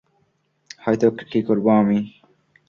নয়তো কী করবো আমি?